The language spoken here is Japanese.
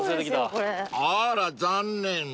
［あら残念］